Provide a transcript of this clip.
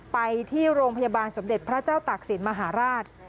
ไปที่โรงพยาบาลสมเด็จพระเจ้าตากศิลป์มหาราช